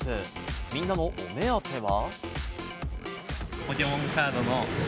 みんなのお目当ては。